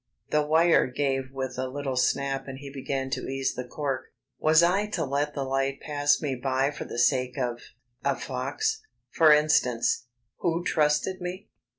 The wire gave with a little snap and he began to ease the cork. Was I to let the light pass me by for the sake of ... of Fox, for instance, who trusted me?